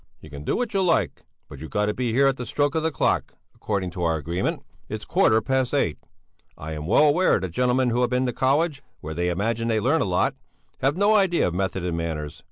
"You can do what you like; but you've got to be here at the stroke of the clock, according to our agreement. It's a quarter past eight. I am well aware that gentlemen who have been to college, where they imagine they learn a lot, have no idea of method and manners.